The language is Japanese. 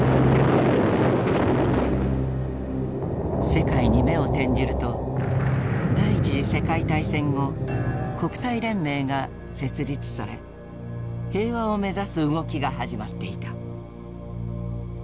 世界に目を転じると第一次世界大戦後国際連盟が設立され平和を目指す動きが始まっていた。